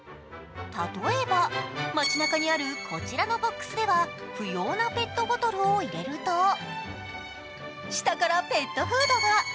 例えば、街なかにあるこちらのボックスでは不要なペットボトルを入れると下からペットフードが。